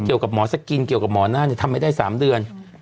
เกี่ยวกับหมอสกินเกี่ยวกับหมอหน้าทำไม่ได้๓เดือน